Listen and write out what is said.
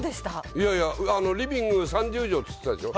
いやいや、リビング３０畳って言ってたでしょ。